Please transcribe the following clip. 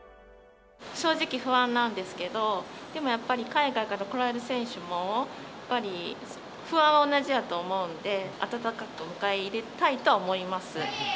正直、不安なんですけど、でもやっぱり海外から来られる選手も、やっぱり不安は同じやと思うんで、温かく迎え入れたいとは思います。